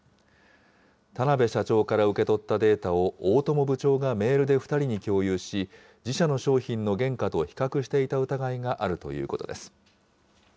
田邊社長から受け取ったデータを、大友部長がメールで２人に共有し、自社の商品の原価と比較していた疑いがあるということです。